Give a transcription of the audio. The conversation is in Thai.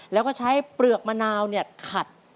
แล้วก็ใช้เปลือกมะนาวขัด